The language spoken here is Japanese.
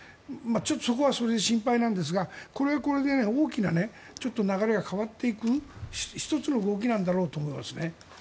そこはそれで心配なんですがこれはこれで、大きく流れが変わっていく１つの動きなんだろうと思いますね。